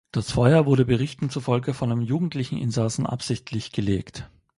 Das Feuer wurde Berichten zufolge von einem jugendlichen Insassen absichtlich gelegt.